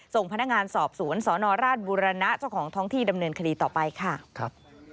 ส่งพนักงานสอบสวนสนราชบุรณะเจ้าของท้องที่ดำเนินคดีต่อไปค่ะครับ